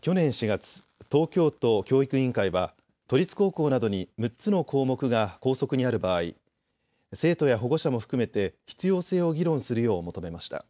去年４月、東京都教育委員会は都立高校などに６つの項目が校則にある場合生徒や保護者も含めて必要性を議論するよう求めました。